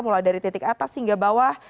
mulai dari titik atas hingga bawah